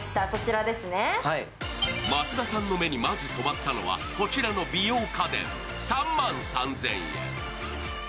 松田さんの目にまず止まったのは、こちらの美容家電３万３０００円。